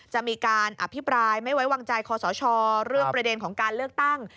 จะมีการอภิปรายไม่ไว้วางใจคอสชเรื่องประเด็นของการเลือกตั้ง